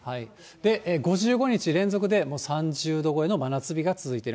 ５５日連続で、３０度超えの真夏日が続いている。